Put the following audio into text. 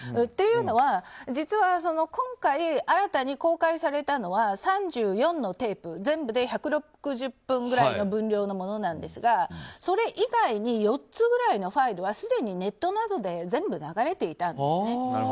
というのは、実は今回新たに公開されたのは３４のテープ全部で１６０分くらいの分量のものなんですがそれ以外に４つぐらいのファイルはすでにネットなどで全部流れていたんですね。